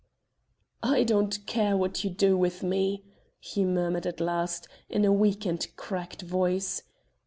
"I don't care what you do with me," he murmured at last, in a weak and cracked voice.